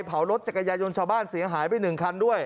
รถจักรยายนชาวบ้านเสียหายไป๑คันด้วย